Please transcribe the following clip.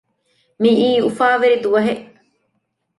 މިއީ އުފާވެރި ދުވަހެއް